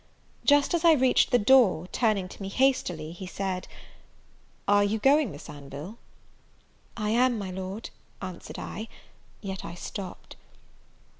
Just as I reached the door, turning to me hastily, he said, "Are you going, Miss Anville?" "I am, my Lord," answered I; yet I stopped.